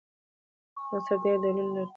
نثر ډېر ډولونه لري.